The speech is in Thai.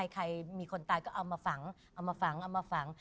ใครมีคนตายก็เอามาฝังเอามาฝังเอามาฝัง